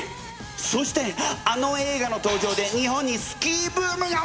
そしてあの映画の登場で日本にスキーブームが起きるぜ！